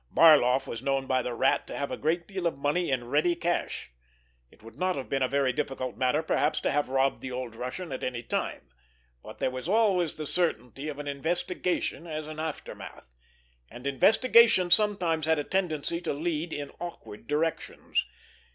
Barloff was known by the Rat to have a great deal of money in ready cash. It would not have been a very difficult matter perhaps to have robbed the old Russian at any time, but there was always the certainty of an investigation as an aftermath, and investigations sometimes had a tendency to lead in awkward directions.